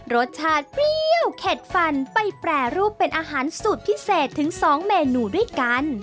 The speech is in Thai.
รสชาติเปรี้ยวเข็ดฟันไปแปรรูปเป็นอาหารสูตรพิเศษถึง๒เมนูด้วยกัน